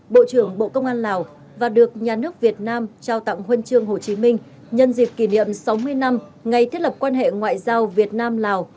bộ trưởng bộ công an lào và được nhà nước việt nam trao tặng huân chương hồ chí minh nhân dịp kỷ niệm sáu mươi năm ngày thiết lập quan hệ ngoại giao việt nam lào